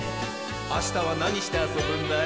あしたはなにしてあそぶんだい？